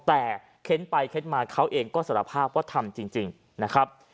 แต่เค้นไปเค้นมาเขาเองก็สารภาพว่าทำจริงนะครับ